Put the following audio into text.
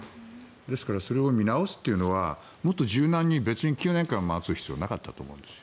ですからそれを見直すというのはもっと柔軟に９年間待つ必要はなかったと思うんです。